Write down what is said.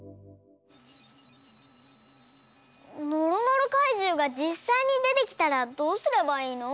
のろのろかいじゅうがじっさいにでてきたらどうすればいいの？